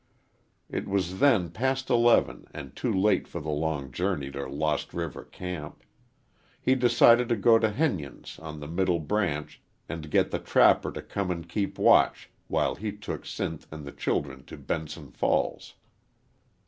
It was then past eleven and too late for the long journey to Lost River camp. He decided to go to Henyon's on the Middle Branch and get the trapper to come and keep watch while he took Sinth and the children to Benson Falls.